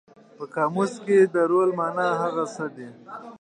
په قاموس کې د رول مانا هغه څه دي.